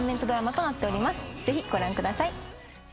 ぜひご覧ください。